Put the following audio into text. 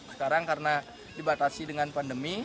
sekarang karena dibatasi dengan pandemi